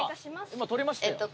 今取りました